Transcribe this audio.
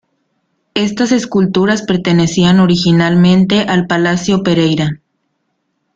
Estas esculturas pertenecían originalmente al palacio Pereira.